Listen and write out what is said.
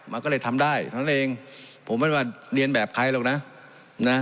มันก็เลยทำได้เท่านั้นเองผมไม่ว่าเรียนแบบใครหรอกนะนะ